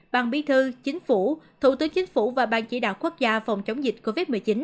bang biến thư chính phủ thủ tướng chính phủ và bang chỉ đạo quốc gia phòng chống dịch covid một mươi chín